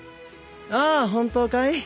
ああ本当かい。